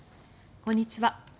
こんにちは。